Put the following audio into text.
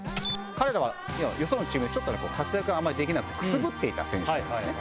彼らはよそのチームでちょっと活躍があんまりできなくてくすぶっていた選手なんですね。